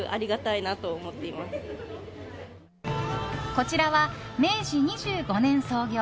こちらは明治２５年創業